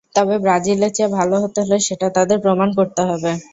তবে ব্রাজিলের চেয়ে ভালো হতে হলে সেটা তাদের প্রমাণ করতে হবে।